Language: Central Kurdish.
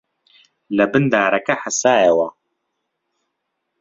لەبن دارەکە حەسایەوە